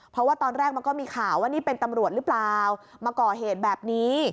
เพราะว่าตอนแรกมันก็มีข่าวว่านี่เป็นตำรวจหรือเปล่ามาก่อเหตุแบบนี้